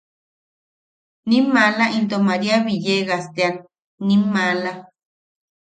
Nim maala into Maria Villegas tean, nim maala.